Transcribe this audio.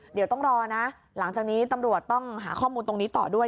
เดี๋ยวต้องรอนะหลังจากนี้ตำรวจต้องหาข้อมูลตรงนี้ต่อด้วย